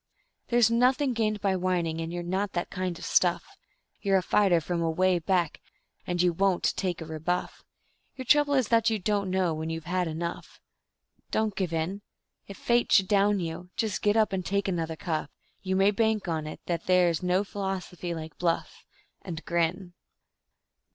There's nothing gained by whining, and you're not that kind of stuff; You're a fighter from away back, and you WON'T take a rebuff; Your trouble is that you don't know when you have had enough Don't give in. If Fate should down you, just get up and take another cuff; You may bank on it that there is no philosophy like bluff, And grin.